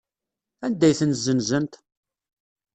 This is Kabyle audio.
Anda ay ten-ssenzent?